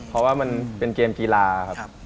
เพราะว่ามันเป็นเกมกีฬาครับ